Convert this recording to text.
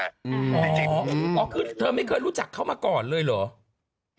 อ๋ออ๋อคือเธอไม่เคยรู้จักเขามาก่อนเลยเหรอ